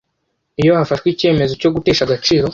Iyo hafashwe icyemezo cyo gutesha agaciro